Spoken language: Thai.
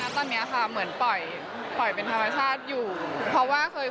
ทุกอย่างก็เป็นไปตาม